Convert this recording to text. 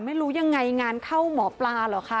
ไม่รู้ยังไงงานเข้าหมอปลาเหรอคะ